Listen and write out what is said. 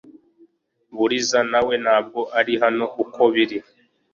Buriza nawe ntabwo ari hano uko biri